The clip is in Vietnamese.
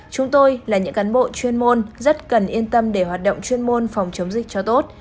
chúng tôi là những cán bộ chuyên môn rất cần yên tâm để hoạt động chuyên môn phòng chống dịch cho tốt